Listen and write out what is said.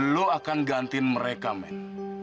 lo akan gantiin mereka men